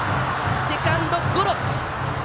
セカンドゴロ。